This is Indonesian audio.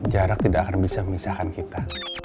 jarak tidak akan bisa memisahkan kita